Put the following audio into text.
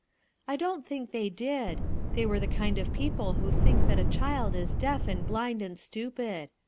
"I don't think they did; they were the kind of people who think that a 302 RUTH ERSKINE'S SON child is deaf and blind and stupid.